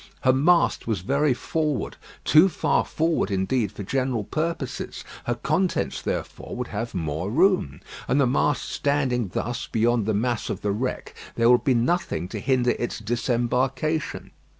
Her mast was very forward too far forward indeed for general purposes; her contents therefore would have more room, and the mast standing thus beyond the mass of the wreck, there would be nothing to hinder its disembarkation.